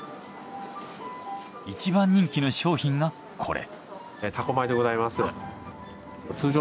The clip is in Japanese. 一番人気の商品がこれ。